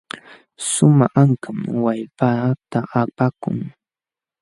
Suwa ankam wallpaata apakun.